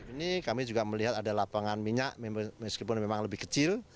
ini kami juga melihat ada lapangan minyak meskipun memang lebih kecil